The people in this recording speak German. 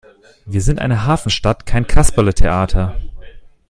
Wir sind eine Hafenstadt, kein Kasperletheater!